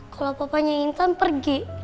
kalau papanya intan pergi